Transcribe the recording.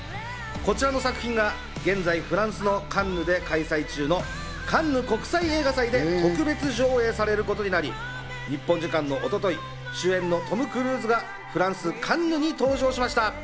こちらの作品が現在、フランスのカンヌで開催中のカンヌ国際映画祭で特別上映されることになり、日本時間の一昨日、主演のトム・クルーズがフランス・カンヌに登場しました。